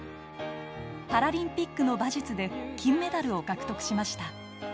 パラリンピックの馬術で金メダルを獲得しました。